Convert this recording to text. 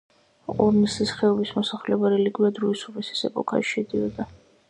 ყორნისის ხეობის მოსახლეობა რელიგიურად რუის-ურბნისის ეპარქიაში შედიოდა.